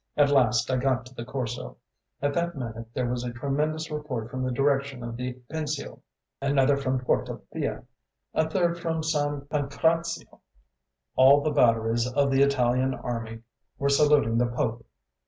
At last I got to the Corso. At that minute there was a tremendous report from the direction of the Pincio, another from Porta Pia, a third from San Pancrazio: all the batteries of the Italian army were saluting the Pope.